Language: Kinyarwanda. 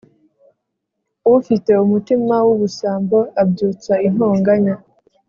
ufite umutima w’ubusambo abyutsa intonganya